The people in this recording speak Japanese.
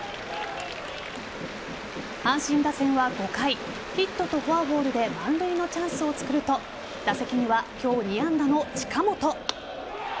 阪神打線は５回ヒットとフォアボールで満塁のチャンスを作ると打席には今日２安打の近本。